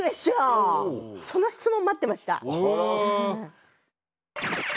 その質問待ってました。